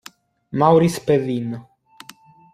Maurice Perrin